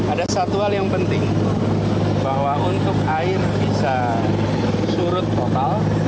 ada satu hal yang penting bahwa untuk air bisa surut total